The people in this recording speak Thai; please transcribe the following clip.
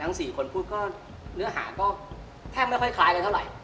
ทั้งสี่คนพูดเนื้อหาก็แตกไม่ค่อยคล้ายมากเท่าไหร่